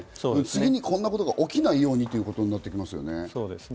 次にこんなことが起きないようにとなってきますね。